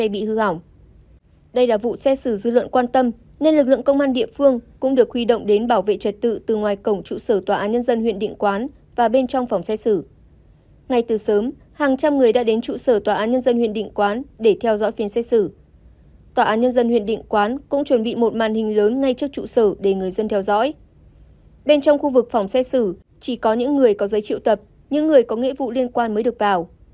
bên trong khu vực phòng xét xử chỉ có những người có giấy triệu tập những người có nghĩa vụ liên quan mới được vào